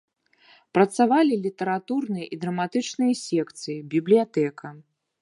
Працавалі літаратурныя і драматычныя секцыі, бібліятэка.